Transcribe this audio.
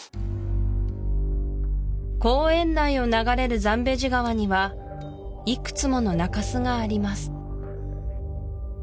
公園内を流れるザンベジ川にはいくつもの中州があります